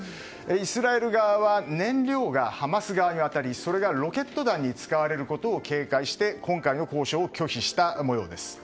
イスラエル側は燃料がハマス側に渡りそれがロケット弾に使われることを警戒して今回の交渉を拒否した模様です。